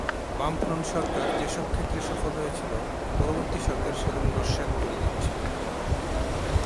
বামফ্রন্ট সরকার যেসব ক্ষেত্রে সফল হয়েছিল, পরবর্তী সরকার সেগুলো নস্যাৎ করে দিচ্ছে।